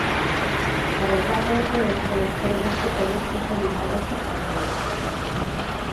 A verdade é que cremos que temos que seguir por ese camiño.